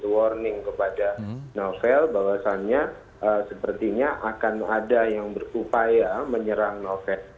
warning kepada novel bahwasannya sepertinya akan ada yang berupaya menyerang novel